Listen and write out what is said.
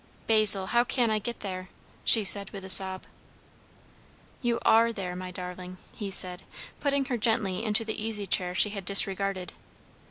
"Basil, how can I get there?" she said with a sob. "You are there, my darling," he said, putting her gently into the easy chair she had disregarded.